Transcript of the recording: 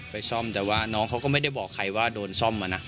ไปซ่อมแต่ว่าน้องเขาก็ไม่ได้บอกใครว่าโดนซ่อมอะนะ